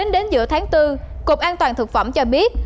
đến giữa tháng bốn cục an toàn thực phẩm cho biết